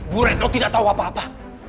bu retno tidak tahu apa apa